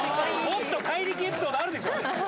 もっと怪力エピソードあるでしょ